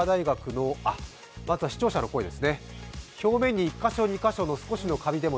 まずは視聴者の声です。